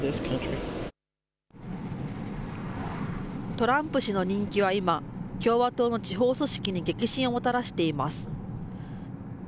トランプ氏の人気は今、共和党の地方組織に激震をもたらしています。